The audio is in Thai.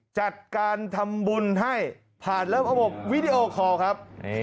จัดการทำบุญให้ผ่านระบบวิดีโอคอร์ครับ